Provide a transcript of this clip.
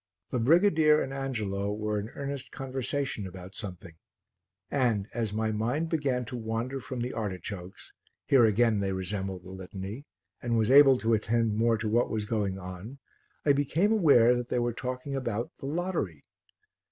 The brigadier and Angelo were in earnest conversation about something, and, as my mind began to wander from the artichokes (here again they resembled the Litany) and was able to attend more to what was going on, I became aware that they were talking about the lottery.